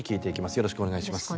よろしくお願いします。